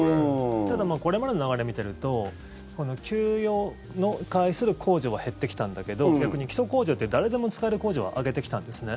ただ、これまでの流れを見てるとこの給与に対する控除は減ってきたんだけど逆に基礎控除っていう誰でも使える控除を上げてきたんですね。